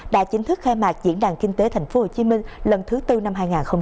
đã chính thức khai mạc diễn đàn kinh tế thành phố hồ chí minh lần thứ tư năm hai nghìn hai mươi ba